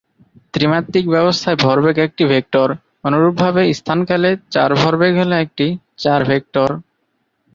ত্রিমাত্রিক ব্যবস্থায় ভরবেগ একটি ভেক্টর; অনুরূপভাবে স্থান-কালে চার-ভরবেগ হল একটি চার-ভেক্টর।